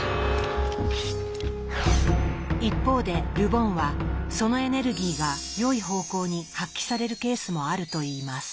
一方でル・ボンはそのエネルギーが良い方向に発揮されるケースもあるといいます。